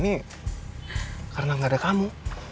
untuk mengetahui dimana alamat rumah suami kamu